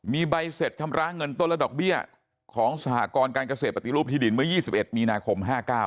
มีใบเสร็จชำระเงินต้นและดอกเบี้ยของสหกรการเกษตรปฏิรูปที่ดินเมื่อ๒๑มีนาคม๕๙